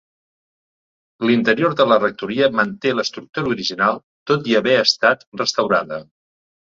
L'interior de la rectoria manté l'estructura original tot i haver estat restaurada.